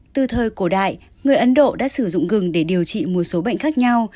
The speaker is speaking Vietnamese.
từ thời cổ đại người ấn độ đã sử dụng gừng để điều trị một số bệnh khác nhau